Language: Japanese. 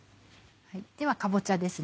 ではかぼちゃです。